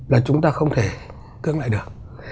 là chúng ta không thể cưỡng lại được